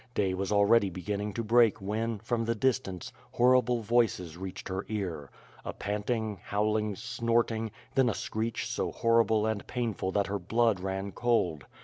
Day was already beginning to break when, from the distance, horrible voices reached her ear. A panting, howl ing, snorting, then a screech so horrible and painful that her blood ran cold.